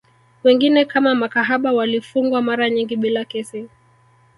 Wengine kama makahaba walifungwa mara nyingi bila kesi